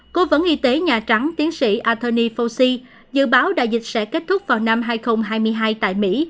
cố vấn y tế nhà trắng tiến sĩ anthony fauci dự báo đại dịch sẽ kết thúc vào năm hai nghìn hai mươi hai tại mỹ